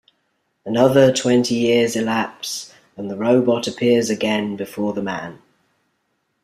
Another twenty years elapse, and the robot appears again before the man.